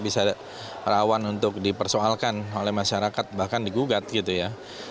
bisa rawan untuk dipersoalkan oleh masyarakat bahkan digugat gitu ya